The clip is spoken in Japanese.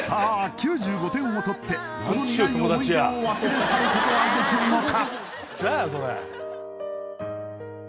９５点を取ってこの苦い思い出を忘れ去ることはできるのか？